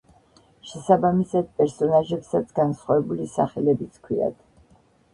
შესაბამისად, პერსონაჟებსაც განსხვავებული სახელებიც ჰქვიათ.